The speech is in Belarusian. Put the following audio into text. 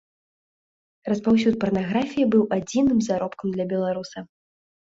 Распаўсюд парнаграфіі быў адзіным заробкам для беларуса.